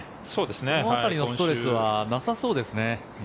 その辺りのストレスはなさそうですね。